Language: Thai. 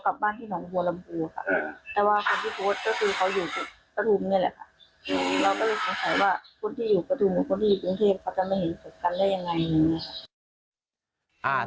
คนที่อยู่กระทุ่มคนที่อยู่กรุงเทพเขาจะไม่เห็นสุดกันได้อย่างไร